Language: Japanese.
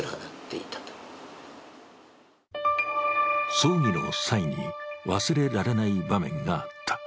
葬儀の際に忘れられない場面があった。